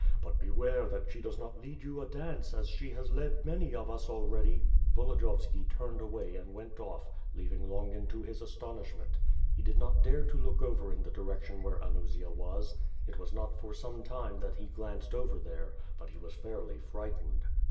But, beware that she does not lead you a dance, as she has led many of us already." Volodiyovski turned away and went off, heaving Longin to his astonishment. He did not dare to look over in the direc tion where Anusia was. It was not for some time that he glanced over there, but he was fairly frightened.